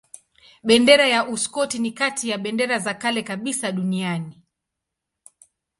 Bendera ya Uskoti ni kati ya bendera za kale kabisa duniani.